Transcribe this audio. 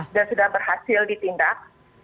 dan sudah berhasil ditimbulkan